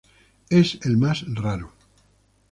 Es el más raro.